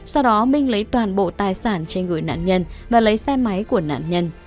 sau đó minh lấy toàn bộ tài sản trên người nạn nhân và lấy xe máy của nạn nhân